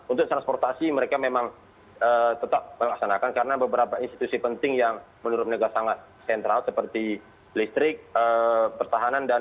untuk transportasi mereka memang tetap melaksanakan karena beberapa institusi penting yang menurut mereka sangat sentral seperti listrik pertahanan